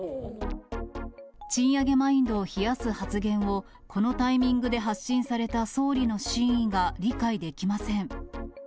賃上げマインドを冷やす発言を、このタイミングで発信された総理の真意が理解できません。